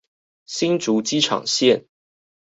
新竹機場線